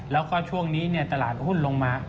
แล้วก็ช่วงนี้ตลาดหุ้นลงมา